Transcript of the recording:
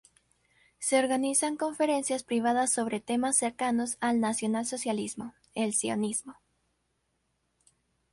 Se organizan conferencias privadas sobre temas cercanos al nacionalsocialismo, el sionismo.